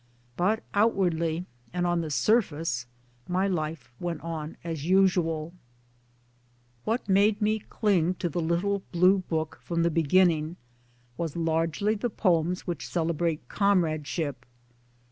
But outwardly, and on the surface, my life went on as usual. What made me cling to the little blue book from the beginning was largely the poems which cele brate comradeship.